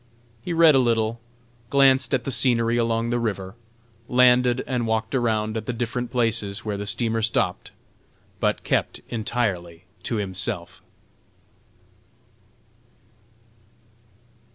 He read a little, glanced at the scenery along the river, landed and walked around at the different places where the steamer stopped, but kept entirely to himself.